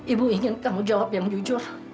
ibu ingin tanggung jawab yang jujur